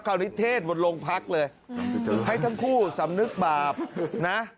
คราวนี้เทศบนโรงพรรคเลยให้ทั้งคู่สำนึกบาปนะ